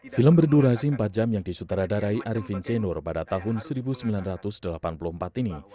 film berdurasi empat jam yang disutradarai arifin senur pada tahun seribu sembilan ratus delapan puluh empat ini